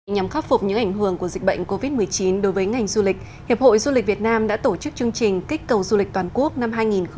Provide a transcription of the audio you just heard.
nhằm khắc phục những ảnh hưởng của dịch bệnh covid một mươi chín đối với ngành du lịch hiệp hội du lịch việt nam đã tổ chức chương trình kích cầu du lịch toàn quốc năm hai nghìn hai mươi